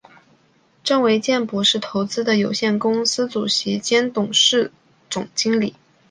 郑维健博士投资有限公司主席兼董事总经理。